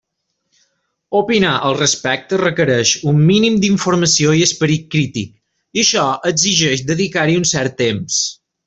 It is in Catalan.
Opinar al respecte requereix un mínim d'informació i esperit crític, i això exigeix dedicar-hi un cert temps.